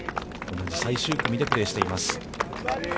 最終組でプレーしています。